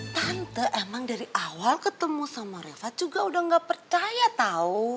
tante emang dari awal ketemu sama reva juga udah gak percaya tau